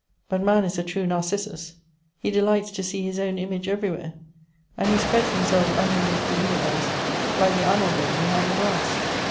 But man is a true Narcissus; he delights to see his own image everywhere ; and he spreads himself underneath the universe, like the amalgam behind the glass."